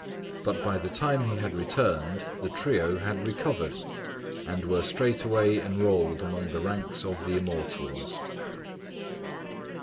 But by the time he had returned the trio had recovered, and were straightway enrolled among the ranks of the immortals.